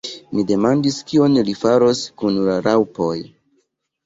Mi demandis kion li faros kun la raŭpoj.